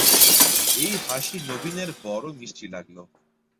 এই হাসি নবীনের বড়ো মিষ্টি লাগল।